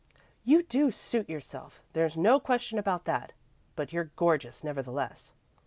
"You do suit yourself; there's no question about that, but you're gorgeous, nevertheless."